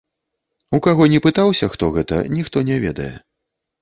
У каго не пытаўся, хто гэта, ніхто не ведае.